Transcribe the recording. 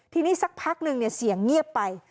ทีนี้สักพักหนึ่งเสียงเงียบไป